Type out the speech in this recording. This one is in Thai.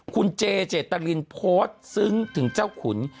คุณเจเจตรินโพสต์ซึ้งถึงเจ้าขุน